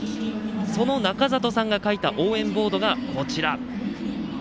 その、なかざとさんが書いた応援ボードがこちら。